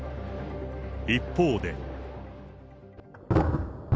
一方で。